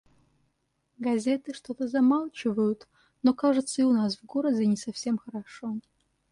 Газеты что-то замалчивают, но, кажется, и у нас в городе не совсем хорошо.